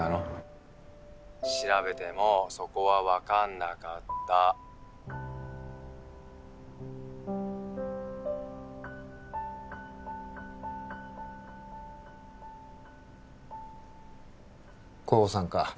☎調べてもそこは分かんなかった降参か？